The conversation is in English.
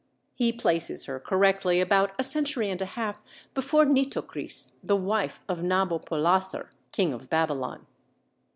He places her correctly about a century and a half before Nitocris, the wife of Nabopolassar, king of Babylon.